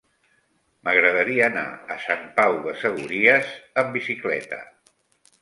M'agradaria anar a Sant Pau de Segúries amb bicicleta.